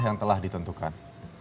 yang telah ditentukan